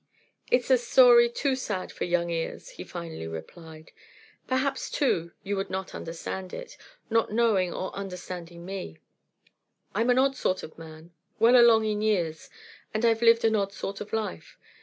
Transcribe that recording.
"It is a story too sad for young ears," he finally replied. "Perhaps, too, you would not understand it, not knowing or understanding me. I'm an odd sort of man, well along in years, and I've lived an odd sort of life.